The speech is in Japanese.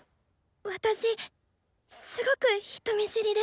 私すごく人見知りで。